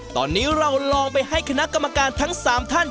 ตอนนี้เราลองไปให้คณะกรรมการทั้ง๓ท่าน